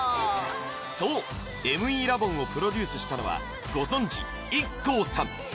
そうＭＥラボンをプロデュースしたのはご存じＩＫＫＯさん